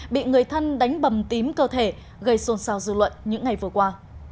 bị người thân đánh bầm tím cơ thể gây xôn xào dư luận những ngày vừa qua